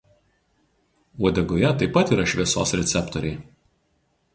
Uodegoje taip pat yra šviesos receptoriai.